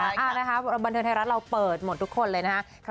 อ้าวนะครับบันเทิงไทยรัฐเราเปิดหมดทุกคนเลยนะครับ